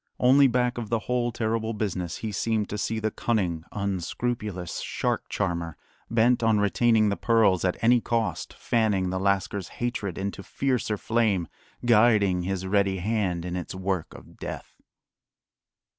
Only, back of the whole terrible business, he seemed to see the cunning, unscrupulous shark charmer, bent on retaining the pearls at any cost, fanning the lascar's hatred into fiercer flame, guiding his ready hand in its work of death.